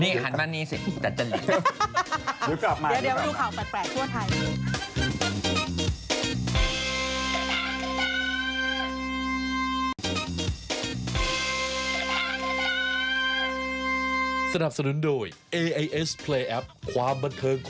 นี่หันมานี่สิดัดจะหลีก